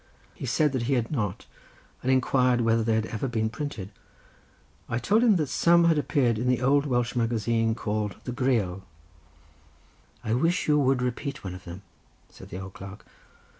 He said that he had not, and inquired whether they had ever been printed. I told him that some had appeared in the old Welsh magazine called The Greal. "I wish you would repeat one of them," said the old clerk.